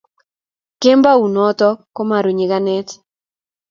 kembounoto komaru nyikanet